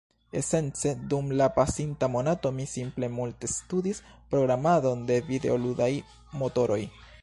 esence dum la pasinta monato mi simple multe studis programadon de videoludaj motoroj.